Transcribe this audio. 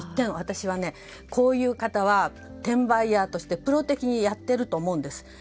私、こういう方は転売ヤーとしてプロ的にやっていると思うんです。